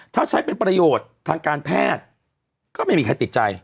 ถ้าใช้เป็นประโยชน์ทางการแพทย์